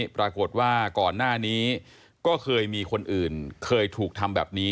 ปรากฏว่าก่อนหน้านี้ก็เคยมีคนอื่นเคยถูกทำแบบนี้